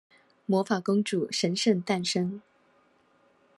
魔法公主神聖誕生